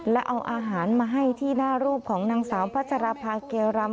และเอาอาหารมาให้ที่หน้ารูปของนางสาวพัชรภาเกียวรำ